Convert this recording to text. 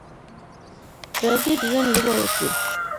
راځئ د ژوند لوبه وکړو.